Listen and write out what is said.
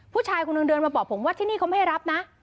ผู้ชายคนหนึ่งเดินมาบอกผมว่าที่นี่เขาไม่ให้รับนะ